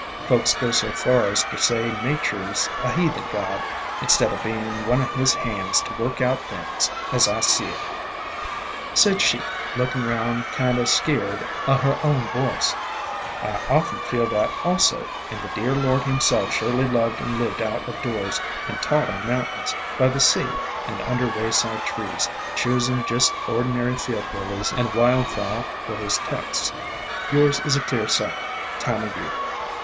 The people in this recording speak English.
Folks go so far as ter say Natur' 's a heathen god, instead o' bein' one o' His hands to work out things, as I see it.' "Said she, lookin' round kind o' skeered o' her own voice, *I often feel that also, and the dear Lord himself surely loved and lived out of doors, and taught on mountains, by the sea, and under GREAT BINDWEED, OR WILD CONVOLVULUS THE DRAPERY OF VINES 317 wayside trees, choosing just ordinary Field Lilies and wild fowl for his texts. Yours is clear sight, Time o' Year!'